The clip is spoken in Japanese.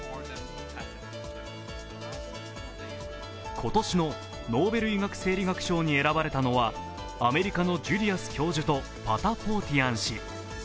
今年のノーベル医学生理学賞に選ばれたのは、アメリカのジュリアス教授とパタポーティアン氏。